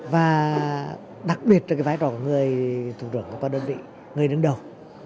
và đặc biệt là vai trò của người thủ tưởng của đơn vị người đứng đầu